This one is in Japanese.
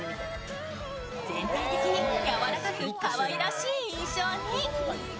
全体的にやわらかくかわいらしい印象に。